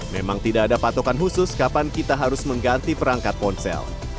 memang tidak ada patokan khusus kapan kita harus mengganti perangkat ponsel